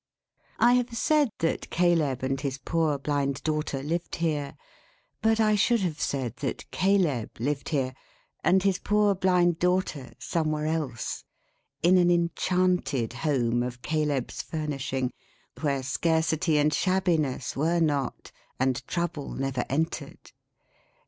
I have said that Caleb and his poor Blind Daughter lived here; but I should have said that Caleb lived here, and his poor Blind Daughter somewhere else; in an enchanted home of Caleb's furnishing, where scarcity and shabbiness were not, and trouble never entered.